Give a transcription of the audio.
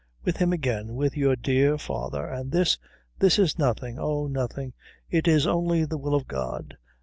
With him again. With your dear father. And this this is nothing, all nothing. It is only the will of God."